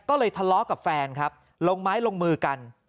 ก็เลยทะเลาะกับแฟนครับลงไม้ลงมือกัน